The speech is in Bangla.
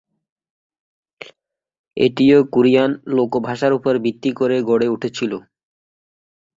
এটিও কোরিয়ান লোক ভাষার উপর ভিত্তি করে গড়ে উঠেছিল।